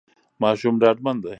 ماشوم ډاډمن دی.